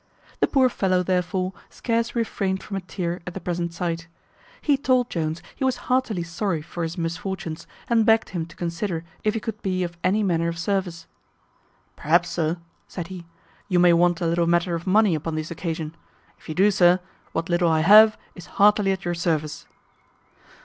The poor fellow, therefore, scarce refrained from a tear at the present sight. He told Jones he was heartily sorry for his misfortunes, and begged him to consider if he could be of any manner of service. "Perhaps, sir," said he, "you may want a little matter of money upon this occasion; if you do, sir, what little I have is heartily at your service."